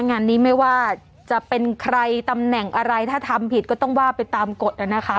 งานนี้ไม่ว่าจะเป็นใครตำแหน่งอะไรถ้าทำผิดก็ต้องว่าไปตามกฎนะคะ